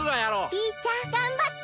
ピーちゃんがんばって。